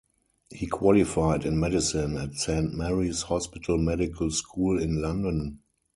He qualified in medicine at Saint Mary's Hospital Medical School in London.